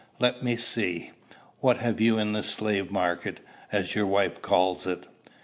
Let me see: what have you in the slave market, as your wife calls it?"